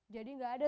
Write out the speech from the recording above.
jadi nggak ada